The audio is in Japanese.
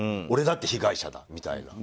俺だって被害者だ、みたいな。